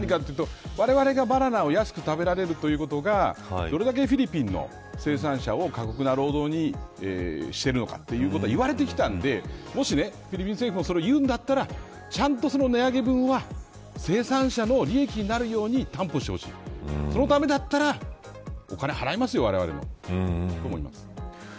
われわれがバナナを安く食べられるということがどれだけフィリピンの生産者を過酷な労働にしているのかということは言われてきていたのでもし、フィリピン政府もそれを言うんだったらちゃんと、その値上げ分は生産者の利益になるように担保してほしいそのためだったらお金を払いますよ、われわれもと思います。